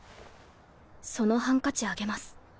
そのハンカチあげます。